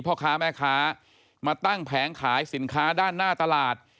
พ่อค้าแม่ค้ามาตั้งแผงขายสินค้าด้านหน้าตลาด